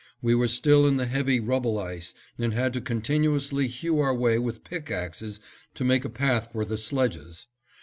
We were still in the heavy rubble ice and had to continuously hew our way with pickaxes to make a path for the sledges.